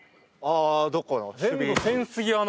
あどこの？